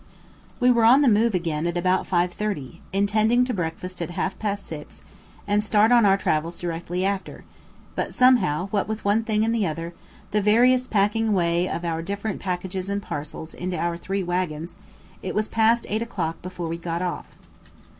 We were on the move again about 5.30, intending to breakfast at half past 6, and start on our travels directly after; but somehow, what with one thing and the other, the various packing away of our different packages and parcels into our three waggons, it was past 8 o'clock before we got off.